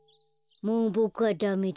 もうボクはダメです。